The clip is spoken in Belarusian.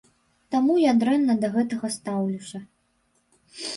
Таму я дрэнна да гэтага стаўлюся.